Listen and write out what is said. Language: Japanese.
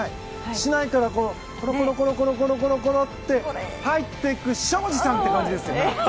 しないから、コロコロって入っていく東海林さん！って感じですよ。